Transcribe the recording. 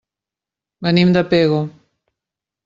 Venim de Pego.